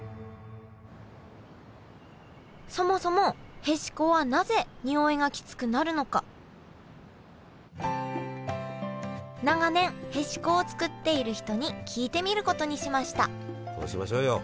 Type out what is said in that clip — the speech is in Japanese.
そもそもへしこはなぜにおいがきつくなるのか長年へしこを作っている人に聞いてみることにしました。